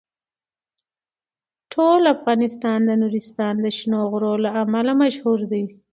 ټول افغانستان د نورستان د شنو غرونو له امله مشهور دی.